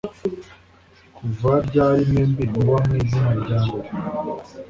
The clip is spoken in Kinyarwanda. Kuva ryari mwembi muba mwizina ryambere